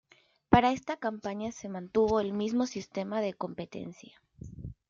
Para esta campaña se mantuvo el mismo sistema de competencia.